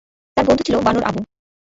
তার বন্ধু ছিল বানর আবু।